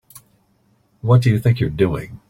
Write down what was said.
What do you think you're doing?